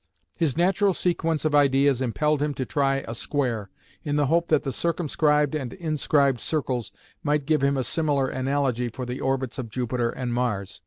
His natural sequence of ideas impelled him to try a square, in the hope that the circumscribed and inscribed circles might give him a similar "analogy" for the orbits of Jupiter and Mars.